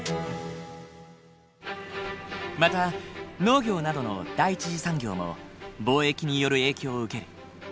また農業などの第一次産業も貿易による影響を受ける。